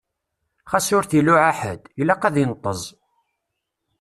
Xas ur t-iluɛa ḥedd, ilaq ad d-inṭeẓ.